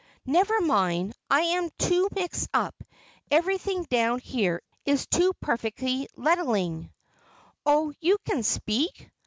"Never mind, I too am mixed up. Everything down here is too perfectly lettling." "Oh, you can speak?"